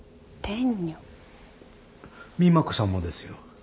美摩子さんもですよ。